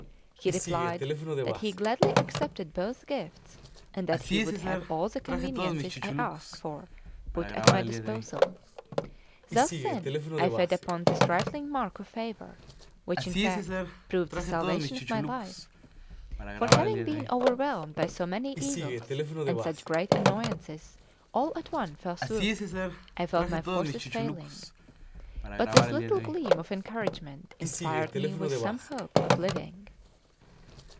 He replied that he gladly accepted both gifts, and that he would have all the conveniences I asked for put at my disposal. Thus, then, I fed upon this trifling mark of favour, which, in fact, proved the salvation of my life; for having been overwhelmed by so many evils and such great annoyances all at one fell swoop, I felt my forces failing; but this little gleam of encouragement inspired me with some hope of living.